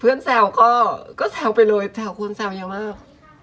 เพื่อนแซวก็แซวก็แซวไปเลยแซวควรแซวเยอะมาก